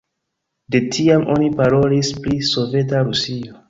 De tiam oni parolis pri Soveta Rusio.